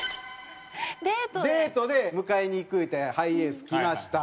デートで迎えに行くいうてハイエース来ました。